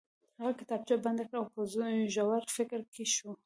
هغه کتابچه بنده کړه او په ژور فکر کې شو